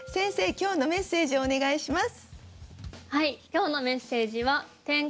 今日のメッセージをお願いします。